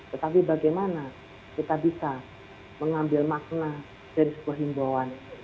tetapi bagaimana kita bisa mengambil makna dari sebuah himbauan